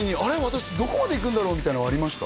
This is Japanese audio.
私どこまでいくんだろう？みたいなのありました？